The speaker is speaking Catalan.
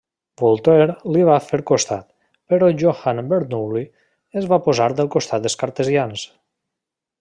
Voltaire li va fer costat, però Johann Bernoulli es va posar de costat dels cartesians.